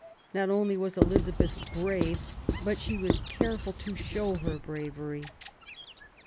Not only was Elizabeth brave, but she was careful to show her bravery.